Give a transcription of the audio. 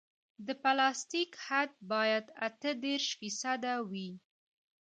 د پلاستیک حد باید اته دېرش فیصده وي